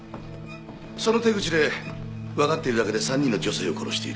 その手口でわかっているだけで３人の女性を殺している。